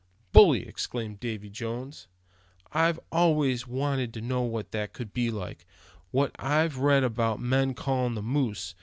"Bully!" exclaimed Davy Jones; "I've always wanted to know what that could be like, when I've read about men calling the moose.